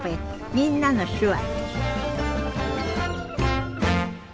「みんなの手話」